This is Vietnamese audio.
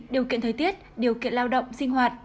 điều kiện thời tiết điều kiện lao động sinh hoạt